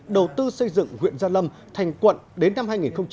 đầu tư xây dựng huyện gia lâm thành quận đến năm hai nghìn hai mươi